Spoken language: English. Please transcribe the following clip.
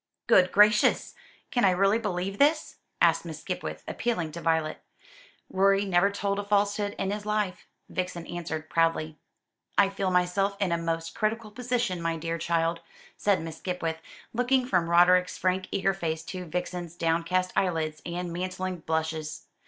"Good gracious! Can I really believe this?" asked Miss Skipwith, appealing to Violet. "Rorie never told a falsehood in his life," Vixen answered proudly. "I feel myself in a most critical position, my dear child," said Miss Skipwith, looking from Roderick's frank eager face to Vixen's downcast eyelids and mantling blushes.